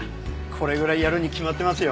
これぐらいやるに決まってますよ。